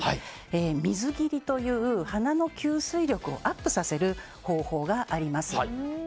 水切りという、花の吸水力をアップさせる方法があります。